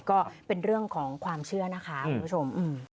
ก็เป็นเรื่องของความเชื่อนะคะคุณผู้ชม